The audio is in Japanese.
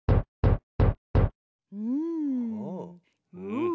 うん。